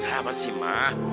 kenapa sih mak